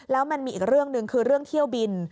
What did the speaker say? แล้วมันมีอีกเรื่องหนึ่งคือเรื่องเที่ยวบิน